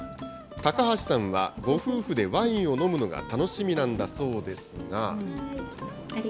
高橋さんは、ご夫婦でワインを飲むのが楽しみなんだそうですが。